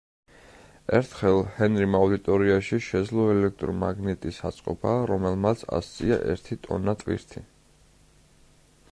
ერთხელ ჰენრიმ აუდიტორიაში შეძლო ელექტრომაგნიტის აწყობა, რომელმაც ასწია ერთი ტონა ტვირთი.